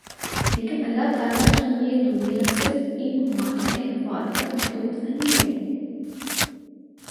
لیکن اللہ تعالیٰ کی یہ دنیا صرف ان مادی احوال تک محدود نہیں ہے